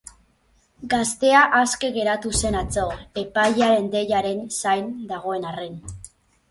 Gaztea aske geratu zen atzo, epailearen deiaren zain dagoen arren.